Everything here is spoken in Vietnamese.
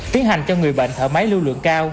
tiến hành cho người bệnh thở máy lưu lượng cao